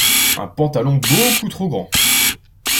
Un pantalon beaucoup trop grand.